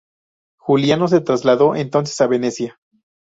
Juliano se trasladó entonces a Venecia.